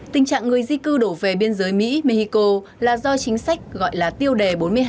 tình trạng người di cư đổ về biên giới mỹ mexico là do chính sách gọi là tiêu đề bốn mươi hai